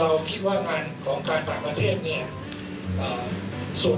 เราคิดว่างานของการต่างประเทศเนี่ย